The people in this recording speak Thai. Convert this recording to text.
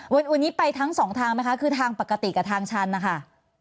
วันนี้ไปทั้งสองทางไหมคะคือทางปกติกับทางชันนะคะ